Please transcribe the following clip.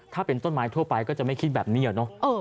ถ้าเป็นต้นไม้ทั่วไปก็จะไม่คิดแบบนี้